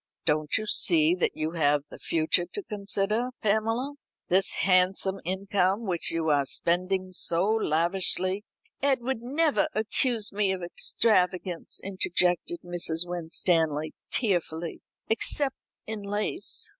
"Don't you see that you have the future to consider, Pamela. This handsome income which you are spending so lavishly " "Edward never accused me of extravagance," interjected Mrs. Winstanley tearfully, "except in lace.